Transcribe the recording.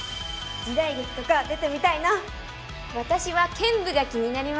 時代劇とか出てみたいな。